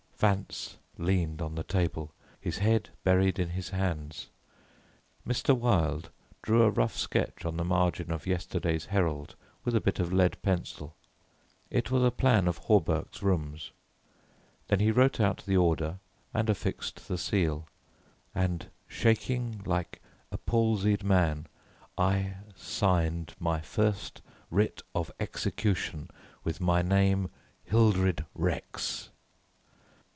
Vance leaned on the table, his head buried in his hands. Mr. Wilde drew a rough sketch on the margin of yesterday's Herald with a bit of lead pencil. It was a plan of Hawberk's rooms. Then he wrote out the order and affixed the seal, and shaking like a palsied man I signed my first writ of execution with my name Hildred Rex.